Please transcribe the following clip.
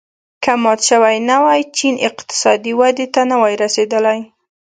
که مات شوی نه وای چین اقتصادي ودې ته نه وای رسېدلی.